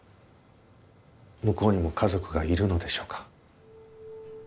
向こうにも家族がいるのでしょうか。